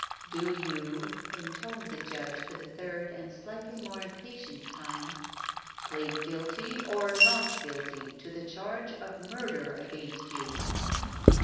"Do you," intoned the judge for the third and slightly more impatient time, "plead guilty or not guilty to the charge of mtirder against you?"